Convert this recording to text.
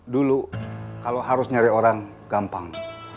dulu kalau harus nyari orang gampang